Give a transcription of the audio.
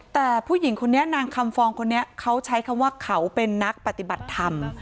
แต่ผู้หญิงคนนี้นางคำฟองคนนี้เขาใช้คำว่าเขาเป็นนักปฏิบัติธรรม